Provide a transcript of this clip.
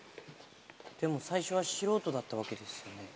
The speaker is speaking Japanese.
でも最初は素人だったわけですよね。